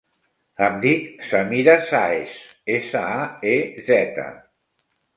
Em dic Samira Saez: essa, a, e, zeta.